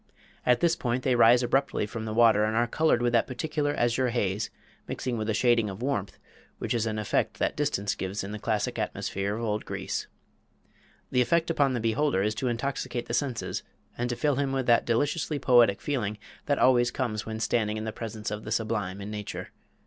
At this point they rise abruptly from the water and are colored with that peculiar azure haze, mixed with a shading of warmth, which is an effect that distance gives in the classic atmosphere of old Greece. The effect upon the beholder is to intoxicate the senses and to fill him with that deliciously poetic feeling that always comes when standing in the presence of the sublime in nature.